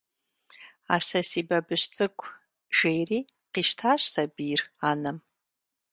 – А сэ си бабыщ цӀыкӀу, – жэри къищтащ сабийр анэм.